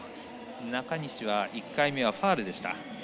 中西は１回目はファウルでした。